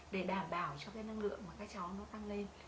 để đảm bảo cho cái năng lượng mà các cháu nó tăng lên